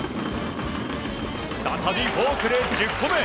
再びフォークで１０個目。